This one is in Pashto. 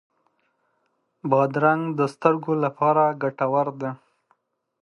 بادرنګ د سترګو لپاره ګټور دی.